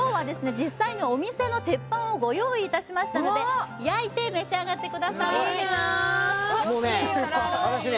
実際にお店の鉄板をご用意いたしましたので焼いて召し上がってくださいいいなもうね